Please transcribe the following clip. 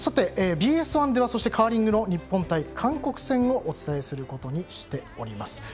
そしてＢＳ１ではカーリングの日本対韓国をお伝えすることにしております。